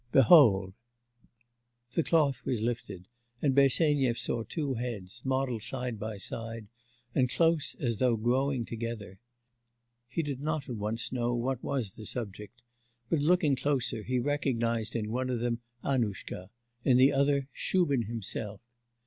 Behold!' The cloth was lifted and Bersenyev saw two heads, modelled side by side and close as though growing together.... He did not at once know what was the subject, but looking closer, he recognised in one of them Annushka, in the other Shubin himself.